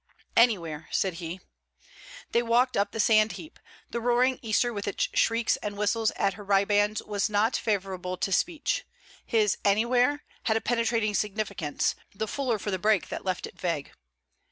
'Anywhere!' said he. They walked up the sand heap. The roaring Easter with its shrieks and whistles at her ribands was not favourable to speech. His 'Anywhere!' had a penetrating significance, the fuller for the break that left it vague.